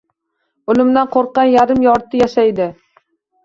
Oʻlimdan qoʻrqqan yarim-yorti yashaydi